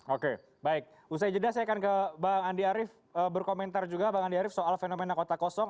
oke baik usai jeda saya akan ke bang andi arief berkomentar juga bang andi arief soal fenomena kota kosong